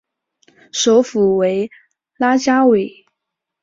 首府为拉加韦。